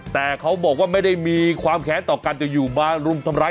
แต่เขาบอกว่าไม่ได้มีความแค้นต่อกันแต่อยู่มารุมทำร้าย